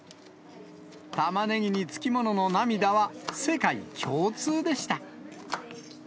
タマネギに付き物の涙は世界共通でした。